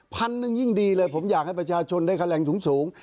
พันหนึ่งยิ่งดีเลยผมอยากให้ประชาชนได้คะแนนสูง